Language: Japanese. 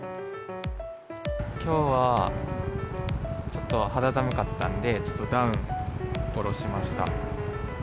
きょうはちょっと肌寒かったので、ちょっとダウンおろしました。